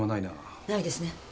ないですね。